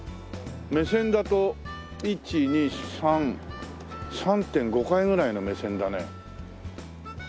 目線だと１２３３．５階ぐらいの目線だね。